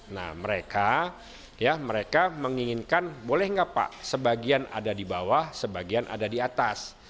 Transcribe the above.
nah mereka menginginkan boleh gak pak sebagian ada di bawah sebagian ada di atas